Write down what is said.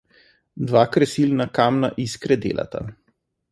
Dva kresilna kamna iskre delata.